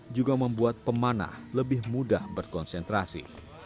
juga membuat pemanah lebih mudah berkonsentrasi